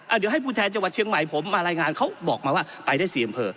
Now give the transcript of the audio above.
เดี๋ยวให้ผู้แทนจังหวัดเชียงใหม่ผมมารายงานเขาบอกมาว่าไปได้สี่อำเภอ